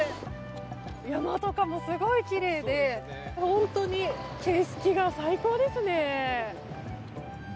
山とかもすごくきれいで本当に景色が最高ですね！